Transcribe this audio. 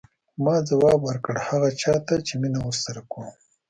ما ځواب ورکړ هغه چا ته چې مینه ورسره کوم.